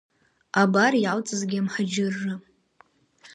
Абар иалҵызгьы амҳаџьырра.